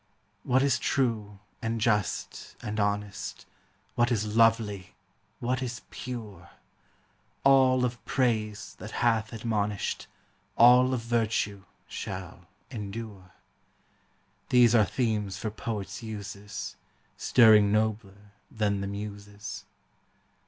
What is true and just and honest, What is lovely, what is pure, — All of praise that hath admonish'd, All of virtue, shall endure, — These are themes for poets' uses, Stirring nobler than the Muses.